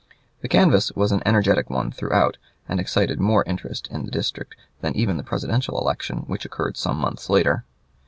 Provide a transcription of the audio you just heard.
The canvass was an energetic one throughout, and excited more interest, in the district than even the presidential election, which occurred some months later.